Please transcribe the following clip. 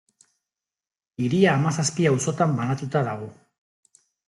Hiria hamazazpi auzotan banatuta dago.